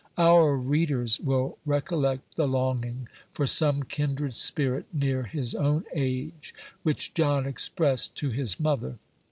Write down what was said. Our readers will recollect the longing for some kindred spirit near his own age, which John expressed to his mother.